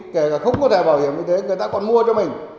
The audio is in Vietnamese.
kể cả không có thẻ bảo hiểm y tế người ta còn mua cho mình